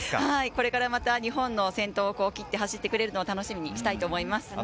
これから日本の先頭を切って走ってくれるのを楽しみにしたいと思います。